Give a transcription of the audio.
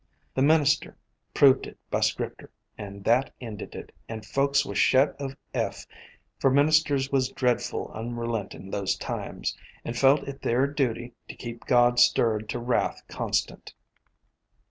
The minister had proved it by Scripter, and that ended it, and folks was shet of Eph, for ministers was dreadful unre lentin' those times, and felt it their duty to keep God stirred to wrath constant.